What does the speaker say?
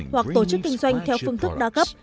hoặc tổ chức kinh doanh theo phương thức đa cấp